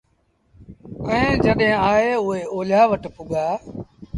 ائيٚݩ جڏهيݩ آئي اُئي اوليآ وٽ پُڳآ